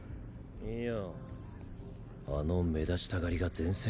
いや。